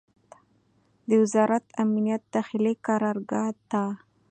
د وزارت امنیت داخلي قرارګاه ته